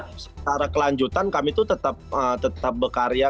tapi kalau secara kelanjutan kami tuh tetap bekarya